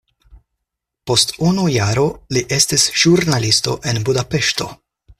Post unu jaro li estis ĵurnalisto en Budapeŝto.